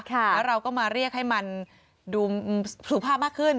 แล้วเราก็มาเรียกให้มันดูภาพมากขึ้น